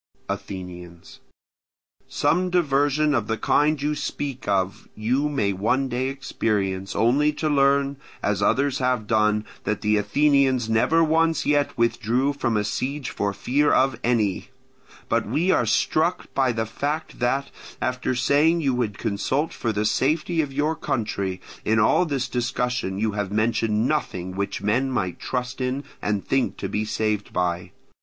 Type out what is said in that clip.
Athenians. Some diversion of the kind you speak of you may one day experience, only to learn, as others have done, that the Athenians never once yet withdrew from a siege for fear of any. But we are struck by the fact that, after saying you would consult for the safety of your country, in all this discussion you have mentioned nothing which men might trust in and think to be saved by.